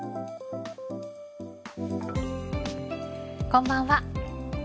こんばんは。